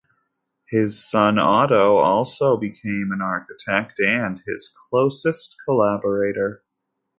His son Otto also became an architect and his closest collaborator.